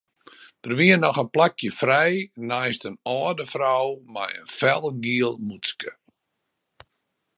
Der wie noch in plakje frij neist in âlde frou mei in felgiel mûtske.